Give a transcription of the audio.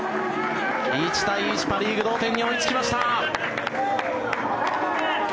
１対１、パ・リーグ同点に追いつきました。